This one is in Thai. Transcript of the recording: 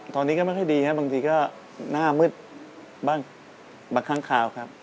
ตอนนี้ก็ไม่ค่อยดีครับบางทีก็หน้ามืดบางครั้งคราวครับ